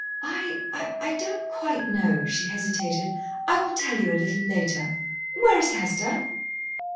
"I I don't quite know," she hesitated. "I will tell you a little later. Where is Hester?"